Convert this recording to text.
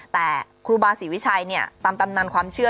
แต่ครูบาศรีวิชัยตามตำนานความเชื่อ